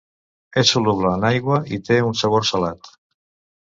És soluble en aigua i té un sabor salat.